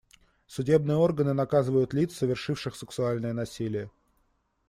Судебные органы наказывают лиц, совершивших сексуальное насилие.